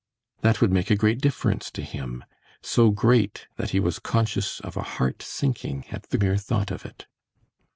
That would make a great difference to him, so great that he was conscious of a heart sinking at the mere thought of it.